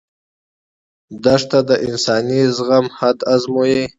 دښته د انساني زغم حد ازمويي.